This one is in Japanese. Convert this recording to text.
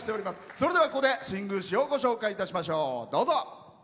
それではここで新宮市をご紹介いたしましょう。